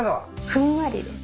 ふんわりです。